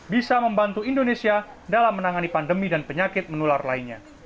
bisa membantu indonesia dalam menangani pandemi dan penyakit menular lainnya